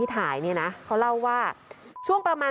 นวมรายเดอร์ที่ขี่ตามมาเขาก็เลยต้องเบรกกระทันหัน